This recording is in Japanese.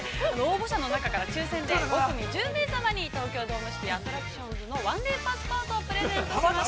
応募者の中から抽せんで、５組１０名様に、「東京ドームシティアトラクションズの１ＤＡＹパスポートをプレゼントします。